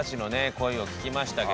声を聞きましたけども。